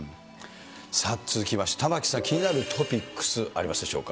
続きまして、玉城さん気になるトピックスありますでしょうか。